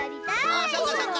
おおそうかそうか。